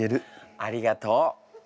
ありがとう。